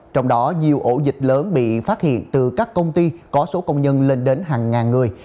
trong đó nhiều ổ dịch lớn bị phát hiện từ các công ty có số công nhân lên đến hàng ngàn người